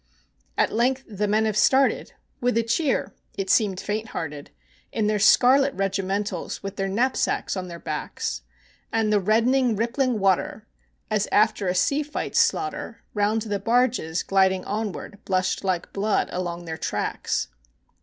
At length the men have started, with a cheer (it seemed faint hearted), In their scarlet regimentals, with their knapsacks on their backs, And the reddening, rippling water, as after a sea fight's slaughter, Round the barges gliding onward blushed like blood along their tracks.